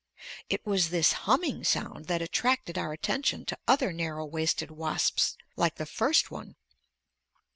It was this humming sound that attracted our attention to other narrow waisted wasps like the first one.